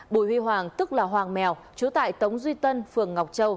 bùi huy hoàng tức là hoàng mèo chú tại tống duy tân phường ngọc châu